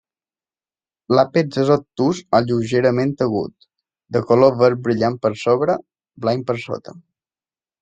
L'àpex és obtús o lleugerament agut, de color verd brillant per sobre, blanc per sota.